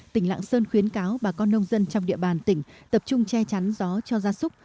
tỉnh lạng sơn khuyến cáo bà con nông dân trong địa bàn tỉnh tập trung che chắn gió cho gia súc